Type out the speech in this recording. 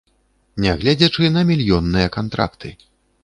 Нягледзячы на мільённыя кантракты.